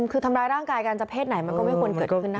คือทำร้ายร่างกายการเจ้าเพศไหนมันก็ไม่ควรเกิดขึ้นนะคะ